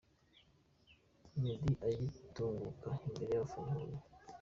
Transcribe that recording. Meddy agitunguka imbere y'abafana i Huye.